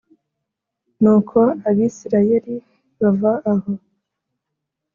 Nuko Abisirayeli bava aho